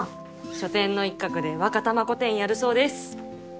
書店の一角でワカタマコ展やるそうです。